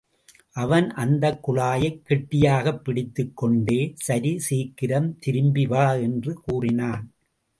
அவன் அந்தக் குழாயைக் கெட்டியாகப்பிடித்துக் கொண்டே, சரி, சீக்கிரம் திரும்பி வா! என்று கூறினான்.